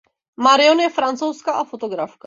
Marion je Francouzka a fotografka.